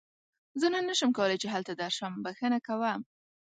زه نن نشم کولی چې هلته درشم، بښنه کوه.